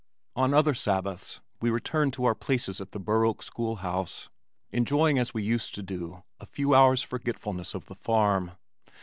On other Sabbaths we returned to our places at the Burr Oak school house, enjoying as we used to do, a few hours' forgetfulness of the farm.